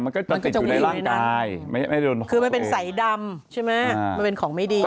มันก็จะติดอยู่ในร่างกายคือมันเป็นสายดำใช่ไหมมันเป็นของไม่ดี